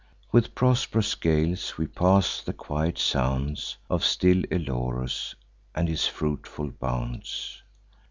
With prosp'rous gales we pass the quiet sounds Of still Elorus, and his fruitful bounds.